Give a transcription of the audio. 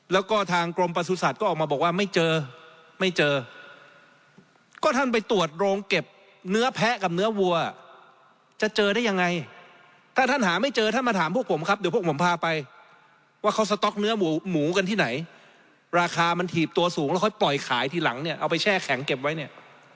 แล้วก็ทางกรมประสุทธิ์ก็ออกมาบอกว่าไม่เจอไม่เจอก็ท่านไปตรวจโรงเก็บเนื้อแพ้กับเนื้อวัวจะเจอได้ยังไงถ้าท่านหาไม่เจอท่านมาถามพวกผมครับเดี๋ยวพวกผมพาไปว่าเขาสต๊อกเนื้อหมูหมูกันที่ไหนราคามันถีบตัวสูงแล้วค่อยปล่อยขายทีหลังเนี่ยเอาไปแช่แข็งเก็บไว้เนี่ย